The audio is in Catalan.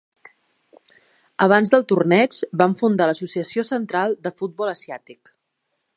Abans del torneig, van fundar l'Associació central de futbol asiàtic.